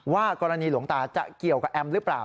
ว่ากรณีหลวงตาจะเกี่ยวกับแอมหรือเปล่า